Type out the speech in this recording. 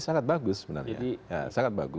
sangat bagus sebenarnya